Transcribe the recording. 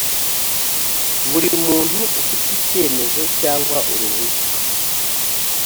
buri muntu ufite icyemezo cyangwa uruhushya